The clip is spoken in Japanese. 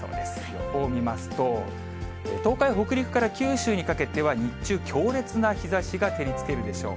予報を見ますと、東海、北陸から九州にかけては日中、強烈な日ざしが照りつけるでしょう。